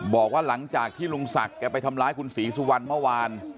บอกว่าหลังจากที่ลุงศักดิ์แกไปทำร้ายคุณศรีสุวรรณเมื่อวาน